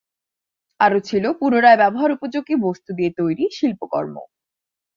আরো ছিলো পুনরায় ব্যবহার উপযোগী বস্তু দিয়ে তৈরি শিল্পকর্ম।